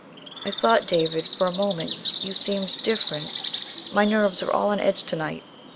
"I thought, David, for a moment... you seemed... different. My nerves are all on edge to night."